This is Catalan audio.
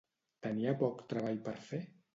Tenia poc treball per fer?